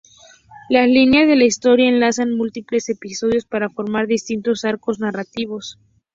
Las líneas de la historia enlazan múltiples episodios para formar distintos arcos narrativos.